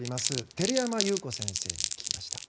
照山裕子先生に聞きました。